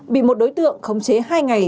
bị một đối tượng khống chế hai ngày